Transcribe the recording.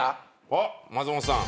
あっ松本さん。